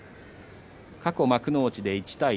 過去幕内で１対１。